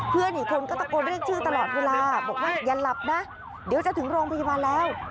เพื่อนอีกคนก็ตะโกนเรียกชื่อตลอดเวลาบอกว่าอย่าหลับนะเดี๋ยวจะถึงโรงพยาบาลแล้ว